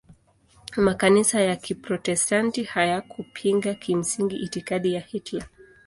Makanisa ya Kiprotestanti hayakupinga kimsingi itikadi ya Hitler.